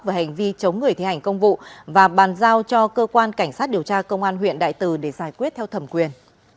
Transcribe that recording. về hành vi chống người thi hành công vụ và bàn giao cho cơ quan cảnh sát điều tra công an huyện đại từ để giải quyết theo thẩm quyền